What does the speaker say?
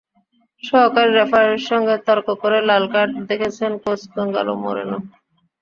সহকারী রেফারির সঙ্গে তর্ক করে লাল কার্ড দেখেছেন কোচ গঞ্জালো মোরেনো।